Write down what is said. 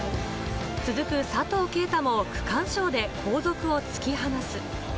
続く佐藤圭汰も区間賞で後続を突き放す。